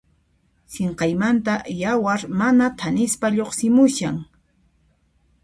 Sinqaymanta yawar mana thanispa lluqsimushan.